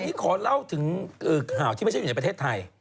นี่ขอเล่าถึงข่าวที่ไม่ใช่อยู่ในประเทศไทย